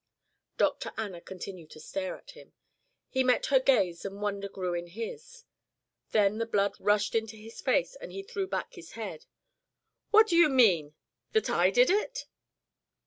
Dr. Anna continued to stare at him. He met her gaze and wonder grew in his. Then the blood rushed into his face and he threw back his head. "What do you mean? That I did it?"